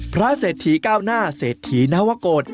พระเศรษฐีเก้าหน้าเศรษฐีนวกกฏ